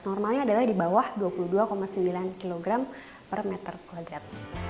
normalnya adalah di bawah dua puluh dua sembilan kg per meter kuagram